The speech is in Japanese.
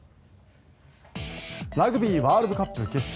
ラグビーワールドカップ決勝。